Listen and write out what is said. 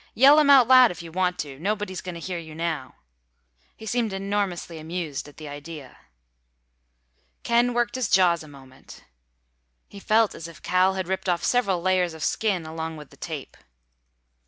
"Yell 'em out loud if you want to. Nobody's going to hear you now." He seemed enormously amused at the idea. Ken worked his jaws a moment. He felt as if Cal had ripped off several layers of skin along with the tape.